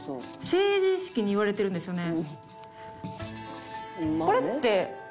成人式に言われてるんですよね？